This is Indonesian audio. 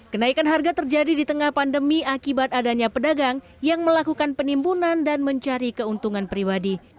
kenaikan harga terjadi di tengah pandemi akibat adanya pedagang yang melakukan penimbunan dan mencari keuntungan pribadi